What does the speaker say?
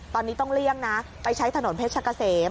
ตอนนี้ต้องเลี่ยงนะไปใช้ถนนเพชรกะเสม